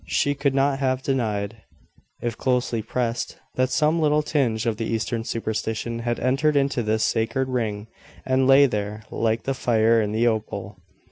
She could not have denied, if closely pressed, that some little tinge of the Eastern superstition had entered into this sacred ring, and lay there, like the fire in the opal.